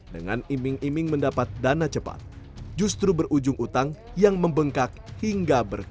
dengan iming iming mendapat dana cepat justru berujung utang yang membengkak hingga berkembang